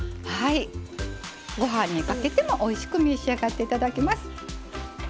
ご飯にかけてもおいしく召し上がっていただけます。